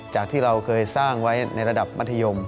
จากที่เราเคยสร้างไว้ในระดับมัธยม